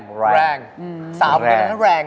สวัสดีครับ